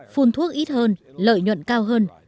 phun thuốc ít hơn lợi nhuận cao hơn